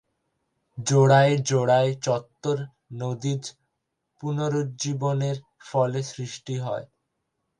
জোড়ায় জোড়ায় চত্বর নদীজ পুনরুজ্জীবনের ফলে সৃষ্টি হয়।